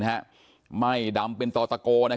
ไหม้ดำเป็นต่อตะโก